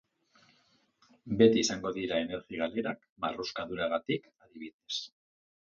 Beti izango dira energia galerak, marruskaduragatik adibidez.